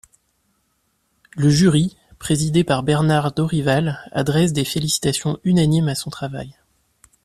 Le jury, présidé par Bernard Dorival, adresse des félicitations unanimes à son travail.